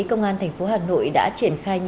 công an thành phố hà nội đã triển khai